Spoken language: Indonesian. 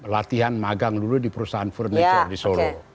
latihan magang dulu di perusahaan furniture di solo